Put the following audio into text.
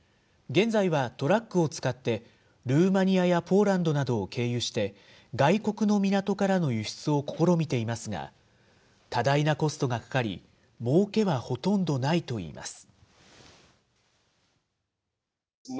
現在はトラックを使って、ルーマニアやポーランドなどを経由して、外国の港からの輸出を試みていますが、多大なコストがかかり、もうけはほとんどないといいます。